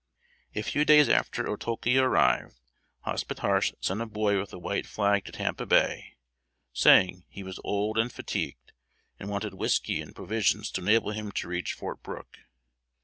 A few days after Otulke arrived, Hospetarche sent a boy with a white flag to Tampa Bay, saying, he was old and fatigued, and wanted whisky and provisions to enable him to reach Fort Brooke.